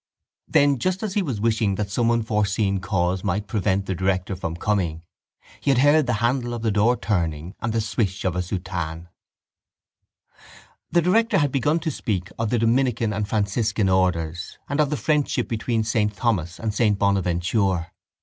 Then, just as he was wishing that some unforeseen cause might prevent the director from coming, he had heard the handle of the door turning and the swish of a soutane. The director had begun to speak of the Dominican and Franciscan orders and of the friendship between saint Thomas and saint Bonaventure.